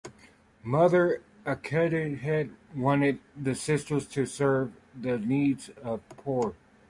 Mother Aikenhead wanted the sisters to serve the needs of the poor.